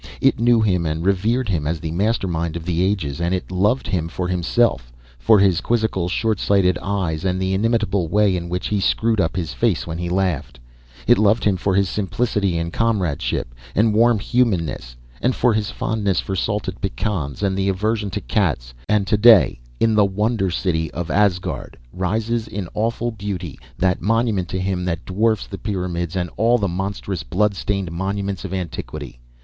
It knew him and revered him as the master mind of the ages; and it loved him for himself, for his quizzical short sighted eyes and the inimitable way in which he screwed up his face when he laughed; it loved him for his simplicity and comradeship and warm humanness, and for his fondness for salted pecans and his aversion to cats. And to day, in the wonder city of Asgard, rises in awful beauty that monument to him that dwarfs the pyramids and all the monstrous blood stained monuments of antiquity.